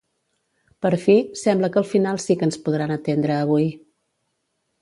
Per fi, sembla que al final sí que ens podran atendre avui.